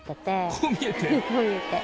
こう見えて。